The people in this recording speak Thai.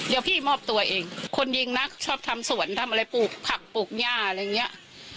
เดี๋ยวพี่มอบตัวเองคนยิงนะชอบทำสวนทำอะไรปลูกผักปลูกย่าอะไรอย่างเงี้ย